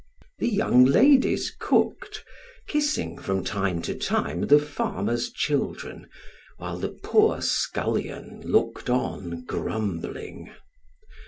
The young ladies cooked, kissing from time to time the farmer's children, while the poor scullion looked on grumbling.